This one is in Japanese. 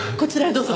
どうぞ。